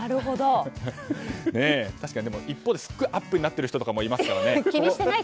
確かに一方で、すごいアップになっている人もいますよね。